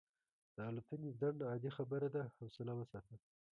د الوتنې ځنډ عادي خبره ده، حوصله وساته.